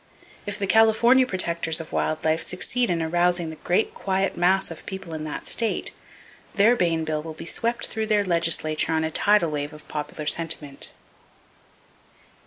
If the California protectors of wild life succeed in arousing the great quiet mass of people in that state, their Bayne bill will be swept through their legislature on a tidal wave of popular sentiment.